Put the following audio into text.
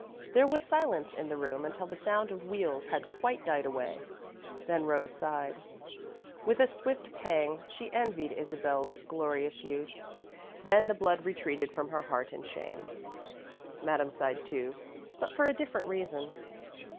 There was silence in the room until the sound of wheels had quite died away, then Rose sighed. With a swift pang, she envied Isabel's glorious youth, then the blood retreated from her heart in shame. Madame sighed too, but for a different reason.